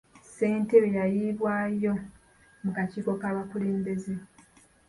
Ssentebe yayiibwayo mu kakiiko k'abakulembeze.